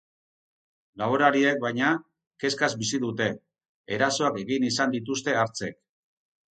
Laborariek, baina, kezkaz bizi dute, erasoak egin izan dituzte hartzek.